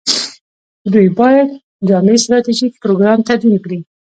دوی باید جامع ستراتیژیک پروګرام تدوین کړي.